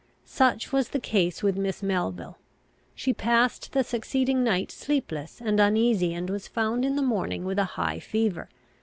Such was the case with Miss Melville. She passed the succeeding night sleepless and uneasy, and was found in the morning with a high fever.